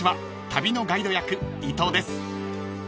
旅のガイド役伊藤です］